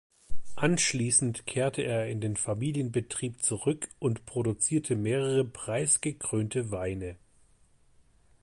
Anschließend kehrte er in den Familienbetrieb zurück und produzierte mehrere preisgekrönte Weine.